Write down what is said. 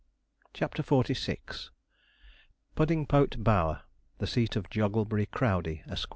CHAPTER XLVI PUDDINGPOTE BOWER, THE SEAT OF JOGGLEBURY CROWDEY, ESQ.